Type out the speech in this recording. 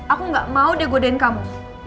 aku gak mau dia godein kamu